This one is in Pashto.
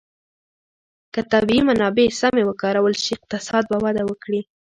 که طبیعي منابع سمې وکارول شي، اقتصاد به وده وکړي.